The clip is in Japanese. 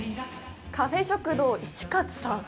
カフェ食堂いちかつさんさん。